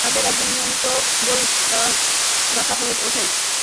তিনি তার ক্লাবের একজন নিয়মিত গোলদাতা হয়ে ওঠেন।